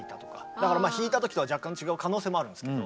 だから弾いた時とは若干違う可能性もあるんですけど。